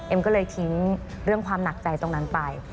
ก็เลยทิ้งเรื่องความหนักใจตรงนั้นไป